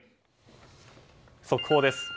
速報です。